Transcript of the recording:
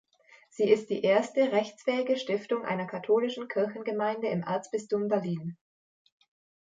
Sie ist die erste rechtsfähige Stiftung einer katholischen Kirchengemeinde im Erzbistum Berlin.